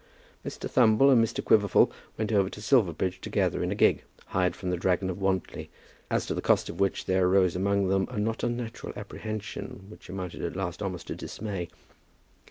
Mr. Thumble and Mr. Quiverful went over to Silverbridge together in a gig, hired from the "Dragon of Wantly" as to the cost of which there arose among them a not unnatural apprehension which amounted at last almost to dismay.